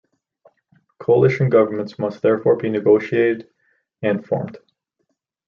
Coalition governments must therefore be negotiated and formed.